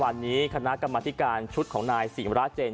วันนี้คนากรรมานการชุดของนายสิวราเจน